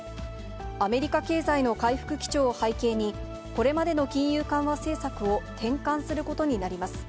アメリカ経済の回復基調を背景に、これまでの金融緩和政策を転換することになります。